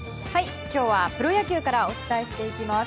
今日はプロ野球からお伝えしていきます。